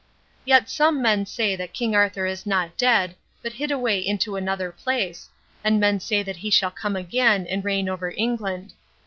Yet some men say that King Arthur is not dead, but hid away into another place, and men say that he shall come again and reign over England.